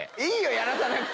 やらさなくて。